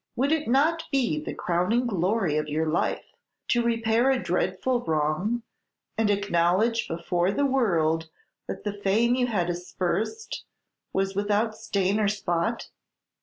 Would it not be the crowning glory of your life to repair a dreadful wrong, and acknowledge before the world that the fame you had aspersed was without stain or spot?"